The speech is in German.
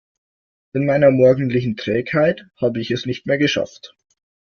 In meiner morgendlichen Trägheit habe ich es nicht mehr geschafft.